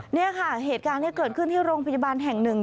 นี่ค่ะเหตุการณ์ที่เกิดขึ้นที่โรงพยาบาลแห่งหนึ่ง